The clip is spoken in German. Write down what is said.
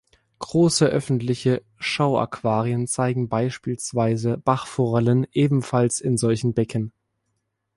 Große öffentliche Schauaquarien zeigen beispielsweise Bachforellen ebenfalls in solchen Becken.